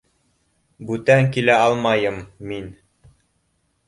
Бүтән килә алмайым мин.